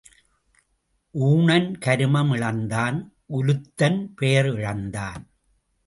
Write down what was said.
ஊணன் கருமம் இழந்தான் உலுத்தன் பெயர் இழந்தான்.